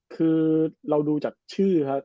คือเราดูจากชื่อครับ